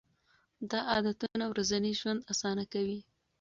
دا عادتونه ورځنی ژوند اسانه کوي.